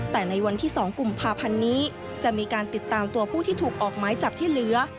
แต่ในวันที่๒กุมภาพันธ์นี้จะมีการติดตามตัวผู้ที่ถูกออกไม้จับที่เหลือ